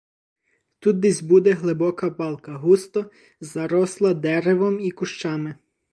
Тут десь буде глибока балка, густо заросла деревом і кущами.